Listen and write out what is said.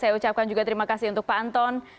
saya ucapkan juga terima kasih untuk pak anton